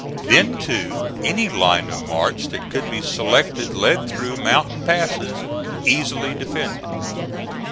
Then, too, any line of march that could be selected led through mountain passes easily defended.